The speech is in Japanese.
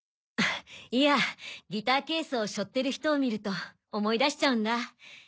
あいやギターケースを背負ってる人を見ると思い出しちゃうんだ。